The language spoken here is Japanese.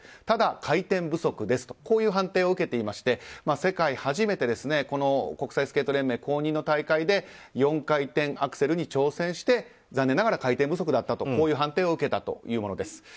ただ回転不足ですとこういう判定を受けていまして、世界初めてこの国際スケート連盟公認の大会で４回転アクセルに挑戦して残念ながら回転不足だったという判定を受けたというものです。